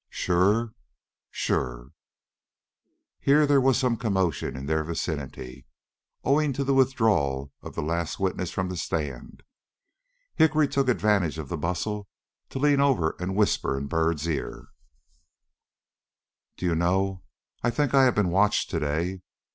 "Sure?" "Sure!" Here there was some commotion in their vicinity, owing to the withdrawal of the last witness from the stand. Hickory took advantage of the bustle to lean over and whisper in Byrd's ear: "Do you know I think I have been watched to day.